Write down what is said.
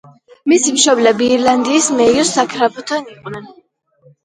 მისი მშობლები ირლანდიის მეიოს საგრაფოდან იყვნენ.